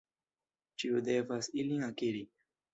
Ĉiu devas ilin akiri.